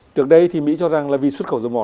trước đây thì mỹ cho rằng là vì xuất khẩu dầu mỏ